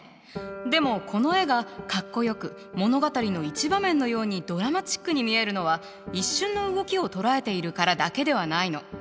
でもこの絵がかっこよく物語の一場面のようにドラマチックに見えるのは一瞬の動きを捉えているからだけではないの。